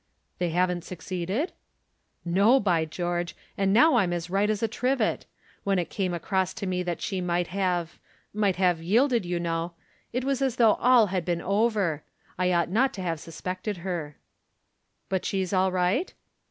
"They haven't succeeded?" "No, by George! And now I'm as right as a trivet. When it came across me that she might have might have yielded, you know, it was as though all had been over. I ought not to have suspected her." "But she's all right?"